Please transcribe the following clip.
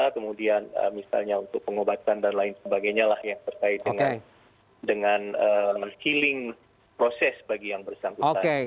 kemudian misalnya untuk pengobatan dan lain sebagainya lah yang terkait dengan healing proses bagi yang bersangkutan